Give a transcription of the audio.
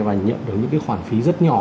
và nhận được những cái khoản phí rất nhỏ